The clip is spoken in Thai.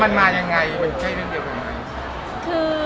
มันมายังไงเป็นเรื่องยังไง